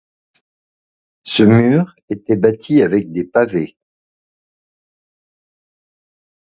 Ce mur était bâti avec des pavés.